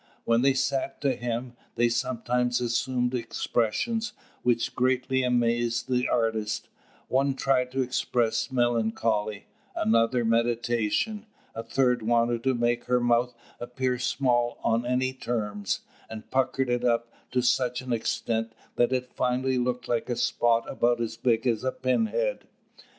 When they sat to him, they sometimes assumed expressions which greatly amazed the artist; one tried to express melancholy; another, meditation; a third wanted to make her mouth appear small on any terms, and puckered it up to such an extent that it finally looked like a spot about as big as a pinhead.